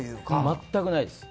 全くないです。